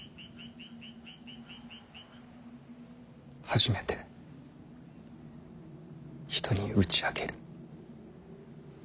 初めて人に打ち明ける。